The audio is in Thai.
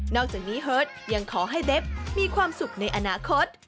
อกจากนี้เฮิร์ตยังขอให้เดฟมีความสุขในอนาคต